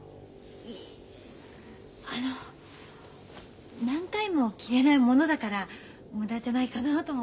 いえあの何回も着れないものだから無駄じゃないかなと思って。